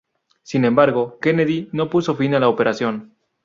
Sin embargo, Kennedy no puso fin a la operación.